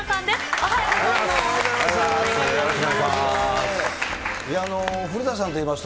おはようございます。